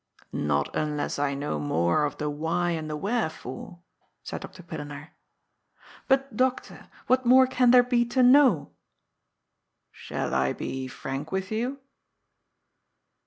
''" Not unless I know more of the why and the where fore," said Dr. Pillenaar. " But, doctor, what more can there be to know?" " Shall I be frank with you